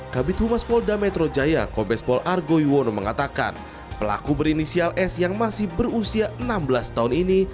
kabit humas polda metro jaya kombespol argo yuwono mengatakan pelaku berinisial s yang masih berusia enam belas tahun ini